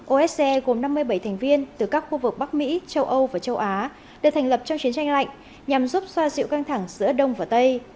osce gồm năm mươi bảy thành viên từ các khu vực bắc mỹ châu âu và châu á được thành lập trong chiến tranh lạnh nhằm giúp xoa dịu căng thẳng giữa đông và tây